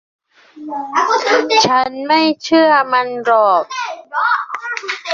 ฉันไม่เชื่อมันหรอก